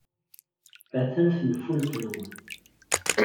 Attan tenfult-nwent.